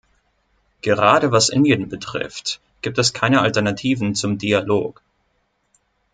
Gerade was Indien betrifft, gibt es keine Alternativen zum Dialog.